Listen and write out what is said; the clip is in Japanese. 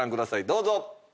どうぞ。